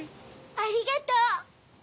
ありがとう！